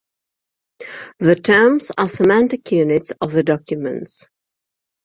The terms are semantic units of the documents.